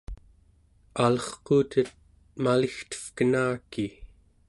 alerquutet maligtevkenaki